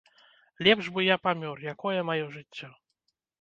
Лепш бы я памёр, якое маё жыццё?